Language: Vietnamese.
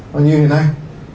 nó như thế này